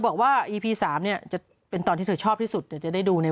บอกว่าอีพี๓เนี่ยจะเป็นตอนที่เธอชอบที่สุดเดี๋ยวจะได้ดูใน